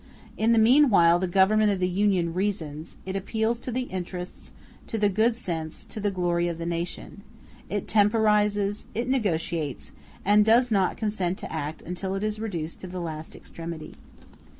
In the mean while the Government of the Union reasons; it appeals to the interests, to the good sense, to the glory of the nation; it temporizes, it negotiates, and does not consent to act until it is reduced to the last extremity.